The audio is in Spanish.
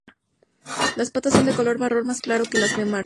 Las patas son de color marrón más claro que las del macho.